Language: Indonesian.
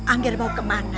angger mau kemana